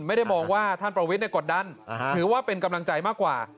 ไม่ได้มองว่าท่านประวิทย์กดดันถือว่าเป็นกำลังใจมากกว่า